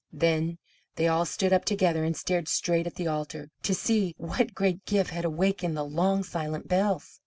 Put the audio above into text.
Then they all stood up together and stared straight at the altar, to see what great gift had awakened the long silent bells.